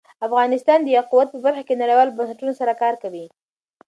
افغانستان د یاقوت په برخه کې نړیوالو بنسټونو سره کار کوي.